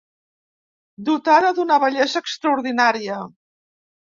Dotada d'una bellesa extraordinària.